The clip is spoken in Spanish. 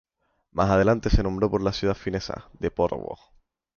Más adelante se nombró por la ciudad finesa de Porvoo.